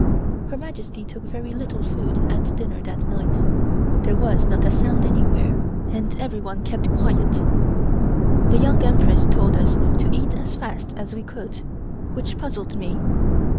Her Majesty took very little food at dinner that night. There was not a sound anywhere, and everyone kept quiet. The Young Empress told us to eat as fast as we could, which puzzled me.